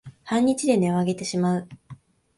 半日で音をあげてしまう